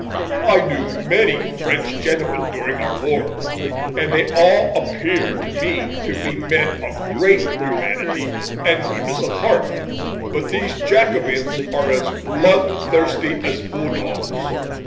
I knew many French gentlemen during our war, and they all appeared to me to be men of great humanity and goodness of heart; but these Jacobins are as blood thirsty as bull dogs."